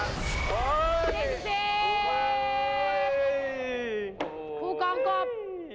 ๗๐บาทโอ้โหผู้กองกบ